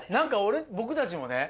僕たちもね